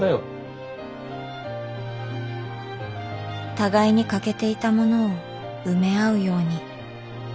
互いに欠けていたものを埋め合うように。